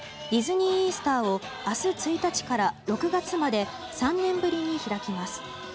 ディズニー・イースターを明日１日から６月まで３年ぶりに開きます。